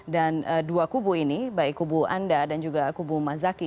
dan dua kubu ini baik kubu anda dan juga kubu mas zaky